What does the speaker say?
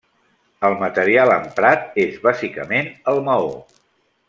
El material emprat és bàsicament el maó.